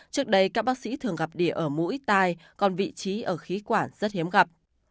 trước đây các bác sĩ thường gặp địa ở mũi tai còn vị trí ở khí quản rất hiếm gặp